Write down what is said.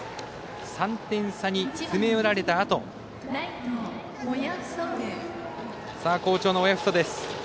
３点差に詰め寄られたあと好調の親富祖です。